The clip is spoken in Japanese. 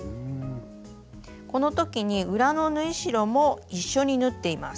この時に裏の縫い代も一緒に縫っています。